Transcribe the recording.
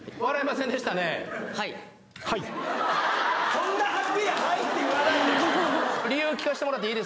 そんなはっきり「はい」って言わないで。